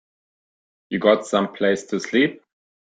You got someplace to sleep?